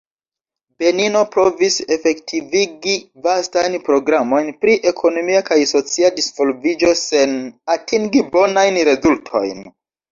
Benino provis efektivigi vastajn programojn pri ekonomia kaj socia disvolviĝo sen atingi bonajn rezultojn.